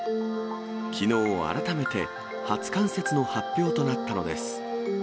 きのう、改めて初冠雪の発表となったのです。